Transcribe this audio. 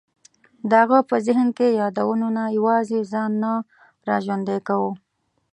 د هغه په ذهن کې یادونو نه یوازې ځان نه را ژوندی کاوه.